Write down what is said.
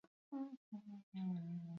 Nik ez dut Black Friday delakoa ezagutzen.